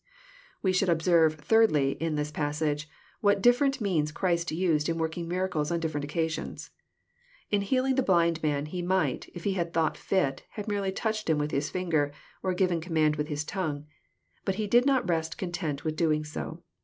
We should observe, thirdly, in this passage, what differ ent means Christ used in working miracles on different oc casions. In healing the blind man He might, if He bad thought fit, have merely touched Him with his finger, or given command with His tongue. But He did not rest content with doing so.